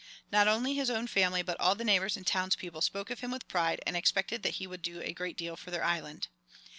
Not only his own family, but all the neighbors and townspeople spoke of him with pride, and expected that he would do a great deal for their island.